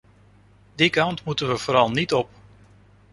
Die kant moeten we vooral niet op.